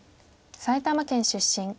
埼玉県出身。